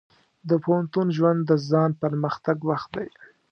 د پوهنتون ژوند د ځان پرمختګ وخت دی.